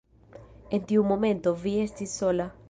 En tiu momento, vi estis sola.